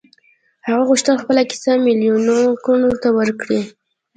هغه غوښتل خپله کيسه ميليونو کڼو ته وکړي.